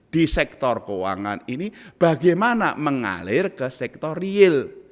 di sektor keuangan ini bagaimana mengalir ke sektor real